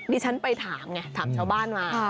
ดิฉันไปถามไงถามชาวบ้านมา